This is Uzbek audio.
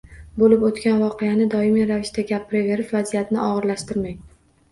Bo‘lib o‘tgan voqeani doimiy ravishda gapiraverib vaziyatni og‘irlashtirmang.